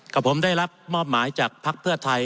กับผมได้รับมอบหมายจากภักดิ์เพื่อไทย